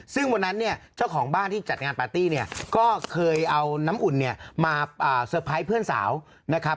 ซึ่งวันนั้นเนี่ยเจ้าของบ้านที่จัดงานปาร์ตี้เนี่ยก็เคยเอาน้ำอุ่นเนี่ยมาเตอร์ไพรส์เพื่อนสาวนะครับ